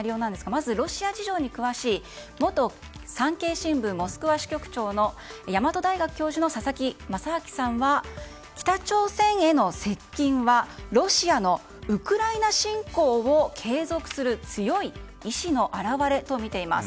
まずロシア事情に詳しい元産経新聞モスクワ支局長の大和大学教授の佐々木正明さんは北朝鮮への接近はロシアのウクライナ侵攻を継続する強い意志の表れとみています。